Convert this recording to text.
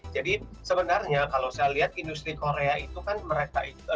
jadi sebenarnya kalau saya lihat industri korea itu kan mereka itu